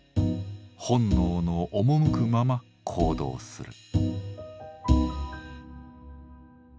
本能のおもむくまま行動する。